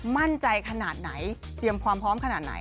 มั่นใจขนาดไหนเตรียมความพร้อมขนาดไหน